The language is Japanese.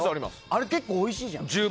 あれ、結構おいしいじゃん。